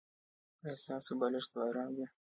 ایا ستاسو بالښت به ارام وي؟